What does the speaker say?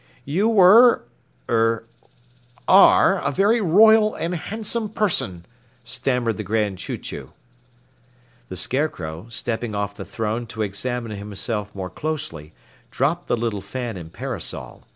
"You were er are a very royal and handsome person," stammered the Grand Chew Chew. The Scarecrow, stepping off the throne to examine himself more closely, dropped the little fan and parasol.